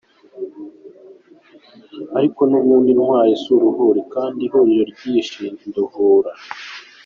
Ariko n’ubundi Intwari si Uruhuri kandi ihururu ryishe Nduhura.